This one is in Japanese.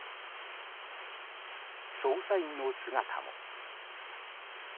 捜査員の姿も。